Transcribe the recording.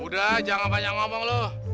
udah jangan banyak ngomong loh